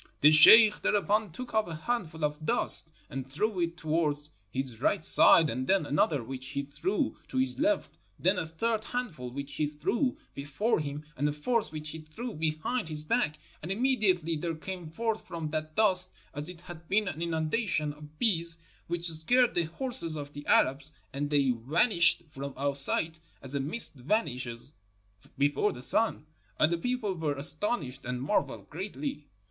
"The sheikh thereupon took up a handful of dust and threw it towards his right side, and then another which he threw to his left, then a third handful which he threw before him, and a fourth which he threw behind his back. And immediately there came forth from that dust as it had been an inundation of bees, which scared the horses of the Arabs, and they vanished from our sight as a mist vanishes before the sun ; and the people were as tonished and marveled greatly.